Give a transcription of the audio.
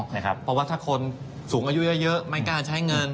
เพราะว่าถ้าคนสูงอายุเยอะไม่กล้าใช้เงิน